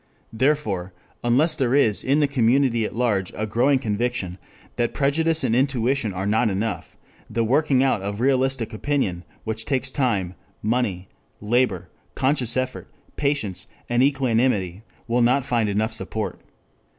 Therefore, unless there is in the community at large a growing conviction that prejudice and intuition are not enough, the working out of realistic opinion, which takes time, money, labor, conscious effort, patience, and equanimity, will not find enough support.